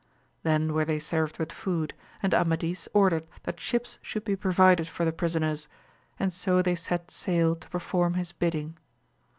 Then were they served with food, and Amadis ordered that sbips should be provided for the prisoners, and so they set sail to perform his bidding.